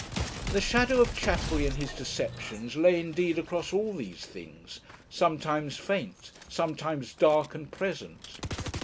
The shadow of Chaffery and his deceptions lay indeed across all these things, sometimes faint, sometimes dark and present.